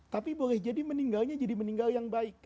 tapi boleh jadi meninggalnya jadi meninggal yang baik